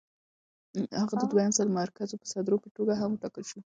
هغه د دوو ځل مرکزي صدر په توګه هم وټاکل شو.